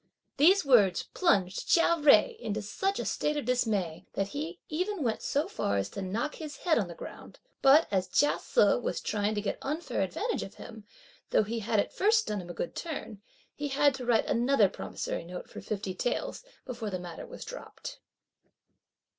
These words plunged Chia Jui in such a state of dismay, that he even went so far as to knock his head on the ground; but, as Chia Se was trying to get unfair advantage of him though he had at first done him a good turn, he had to write another promissory note for fifty taels, before the matter was dropped.